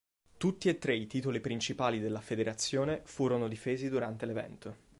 Tutti e tre i titoli principali della federazione furono difesi durante l'evento.